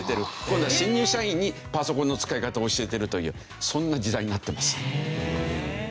今度は新入社員にパソコンの使い方を教えてるというそんな時代になってます。